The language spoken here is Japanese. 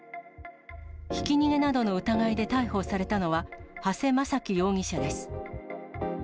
ひき逃げなどの疑いで逮捕されたのは、長谷正樹容疑者です。